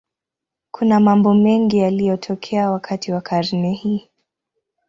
Kuna mambo mengi yaliyotokea wakati wa karne hii.